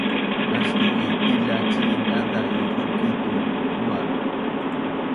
Nastu’ i tilac cin daza’ i lukic tu kukua